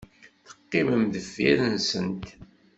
Teqqimem deffir-nsent.